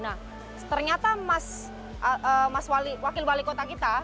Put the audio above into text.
nah ternyata mas wakil wali kota kita